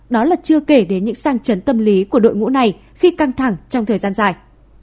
đó là chưa kể đến những sang chấn tâm lý của đội ngũ này khi căng thẳng trong thời gian dài